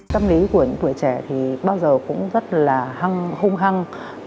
tâm lý của những tuổi trẻ thì bao giờ cũng rất là hăng hung hăng